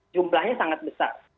jumlahnya sangat besar